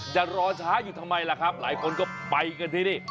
จะรอช้าอยู่ทำไมล่ะครับหลายคนก็ไปกันที่นี่